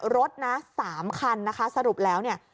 รถนะ๓คันนะคะสรุปแล้วเนี่ย